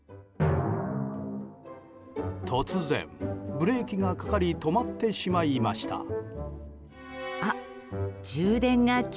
突然、ブレーキがかかり止まってしまいました。